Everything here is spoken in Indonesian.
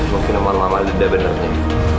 mungkin sama mama leda benarnya